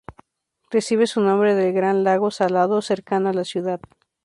Recibe su nombre del Gran Lago Salado, cercano a la ciudad.